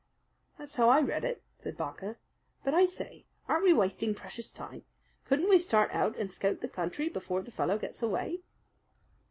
"That's how I read it," said Barker. "But, I say, aren't we wasting precious time? Couldn't we start out and scout the country before the fellow gets away?"